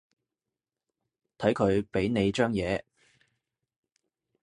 睇佢畀你張嘢